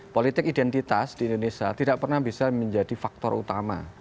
politik identitas di indonesia tidak pernah bisa menjadi faktor utama